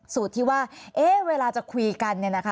สูตรที่ว่าเวลาจะคุยกัน